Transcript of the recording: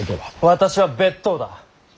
私は別当だ。